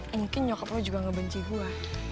mungkin nyokap lo juga gak benci gue